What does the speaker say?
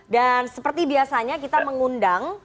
dan seperti biasanya kita mengundang